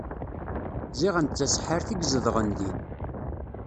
Ziɣen d taseḥḥart i izedɣen din.